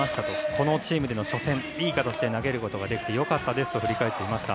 このチームでの初戦いい形で投げることができてよかったですと振り返っていました。